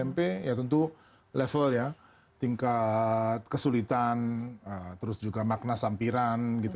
smp ya tentu level ya tingkat kesulitan terus juga makna sampiran gitu